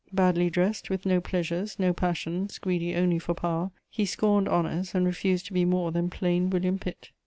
Badly dressed, with no pleasures, no passions, greedy only for power, he scorned honours, and refused to be more than plain William Pitt.